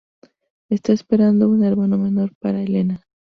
Está esperando un hermano menor para Elena.